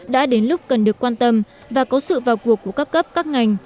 đã đến lúc cần được quan tâm và có sự vào cuộc của các cấp các ngành